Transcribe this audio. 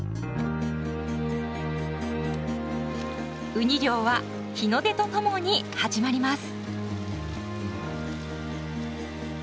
ウニ漁は日の出とともに始まります。